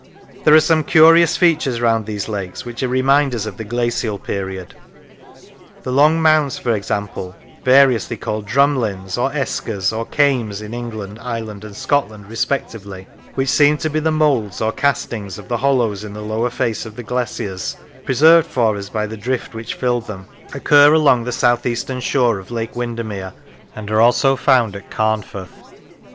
There are some curious features round these lakes which are reminders of the glacial period. The long mounds, for example, variously called drumlins, or eskers, or kames, in England, Ireland, and Scotland respectively which seem to be the " moulds " or cast ings of the hollows in the lower face of the glaciers, preserved for us by the drift which filled them occur Lancashire along the south eastern shore of Lake Windermere, and are also found at Carnforth.